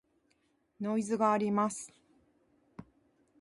ノイズがあります。